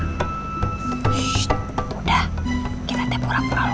shhh udah kita teh pura pura lupa aja